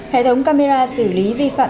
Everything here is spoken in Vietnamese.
hệ thống camera xử lý vi phạm